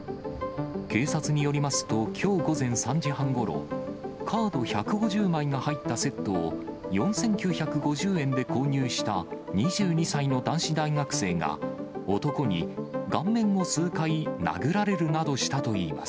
警察によりますと、きょう午前３時半ごろ、カード１５０枚が入ったセットを、４９５０円で購入した２２歳の男子大学生が、男に顔面を数回殴られるなどしたといいます。